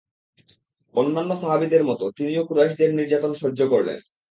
অন্যান্য সাহাবীদের মত তিনিও কুরাইশদের নির্যাতন সহ্য করলেন।